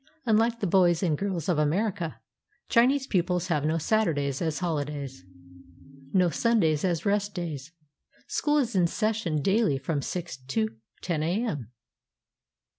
Unlike the boys and girls of America, Chinese pupils have no Saturdays as holidays, no Sundays as rest days. School is in session daily from 6 to lo a.m.